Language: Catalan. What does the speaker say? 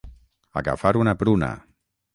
Agafar una pruna.